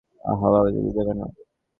আঁহা, বাবা যেতে দেবে না।